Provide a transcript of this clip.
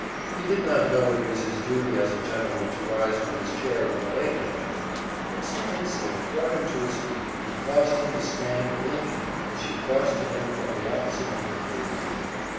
He did not know it was his duty as a gentleman to rise from his chair when a lady entered, but some instinct brought him to his feet and caused him to stand blinking as she crossed to him from the opposite end of the big room.